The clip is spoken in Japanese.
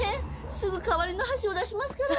すぐ代わりの箸を出しますから。